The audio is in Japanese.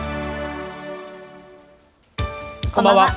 こんばんは。